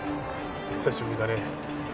久しぶりだね。